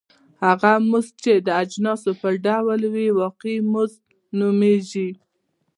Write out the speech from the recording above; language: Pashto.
هغه مزد چې د اجناسو په ډول وي واقعي مزد نومېږي